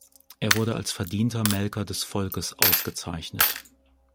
Er wurde als „Verdienter Melker des Volkes“ ausgezeichnet.